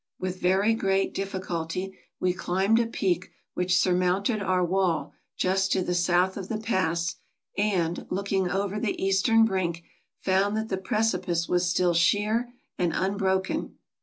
With very great diffi culty we climbed a peak which surmounted our wall just to the south of the pass, and, looking over the eastern brink, found that the precipice was still sheer and unbroken.